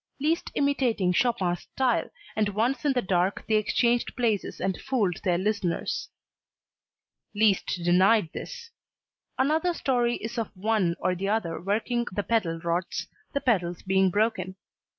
Liszt imitating Chopin's style, and once in the dark they exchanged places and fooled their listeners. Liszt denied this. Another story is of one or the other working the pedal rods the pedals being broken.